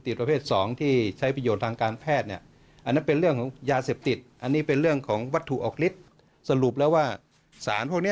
ตรงนี้พอถ่ายมันจะเกี่ยวข้องกับคนมีสี